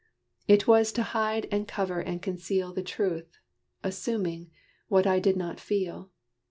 It was to hide and cover and conceal The truth assuming, what I did not feel.